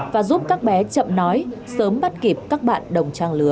và giúp các bé chậm nói sớm bắt kịp các bạn đồng trang lứa